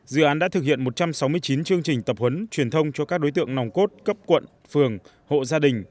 dự án đã thực hiện một trăm sáu mươi chín chương trình tập huấn truyền thông cho các đối tượng nòng cốt cấp quận phường hộ gia đình